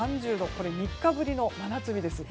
これ３日ぶりの真夏日です。